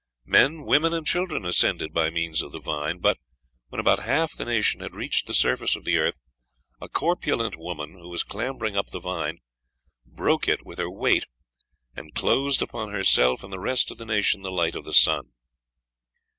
Men, women, and children ascended by means of the vine, but, when about half the nation had reached the surface of the earth, a corpulent woman, who was clambering up the vine, broke it with her weight, and closed upon herself and the rest of the nation the light of the sun."